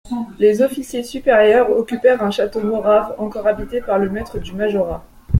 Les officiers supérieurs occupèrent un château morave encore habité par le maître du majorat.